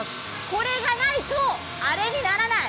これがないと、あれにならない？